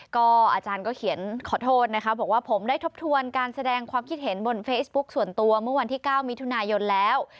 ก็อาจารย์ก็เขียนขอโทษนะคะบอกว่าผมได้ทบทวนการแสดงความคิดเห็นบนเฟซบุ๊คส่วนตัวเมื่อวันที่๙มิถุนายนแล้ว